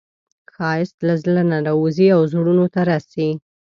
ښایست له زړه نه راوځي او زړونو ته رسي